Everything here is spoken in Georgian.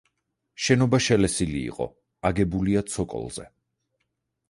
შენობა შელესილი იყო, აგებულია ცოკოლზე.